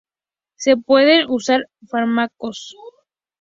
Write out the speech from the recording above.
Se pueden usar fármacos.